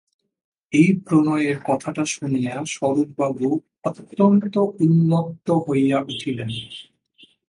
এই প্রণয়ের কথাটা শুনিয়া স্বরূপবাবু অত্যন্ত উন্মত্ত হইয়া উঠিলেন।